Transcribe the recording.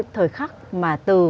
thời khắc mà từ